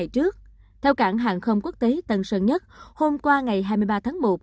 trước theo cảng hàng không quốc tế tân sơn nhất hôm qua ngày hai mươi ba tháng một